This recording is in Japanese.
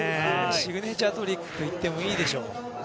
シグネチャートリックと言ってもいいでしょう。